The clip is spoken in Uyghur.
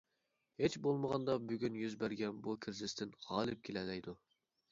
ھېچ بولمىغاندا، بۈگۈن يۈز بەرگەن بۇ كىرىزىستىن غالىب كېلەلەيدۇ.